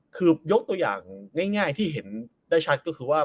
คือยกตัวอย่างง่ายที่เห็นได้ชัดก็คือว่า